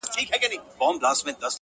له نړۍ څخه يې بېل وه عادتونه-